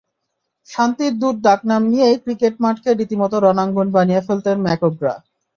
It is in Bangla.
শান্তির দূত ডাক নাম নিয়েই ক্রিকেট মাঠকে রীতিমতো রণাঙ্গন বানিয়ে ফেলতেন ম্যাকগ্রা।